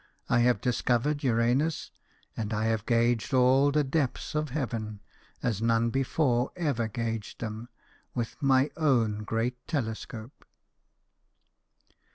I have discovered Uranus, WILLIAM HERSCHEL, BANDSMAN. in and I have gauged all the depths of heaven, as none before ever gauged them, with my own great telescope."